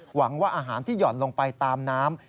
หวังว่าอาหารที่หย่อนลงไปตามน้ำ